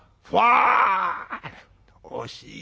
惜しい。